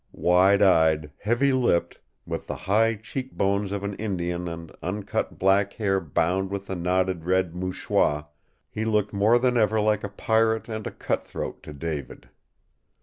Wide eyed, heavy lipped, with the high cheek bones of an Indian and uncut black hair bound with the knotted red MOUCHOIR, he looked more than ever like a pirate and a cutthroat to David.